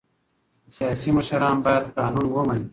سیاسي مشران باید قانون ومني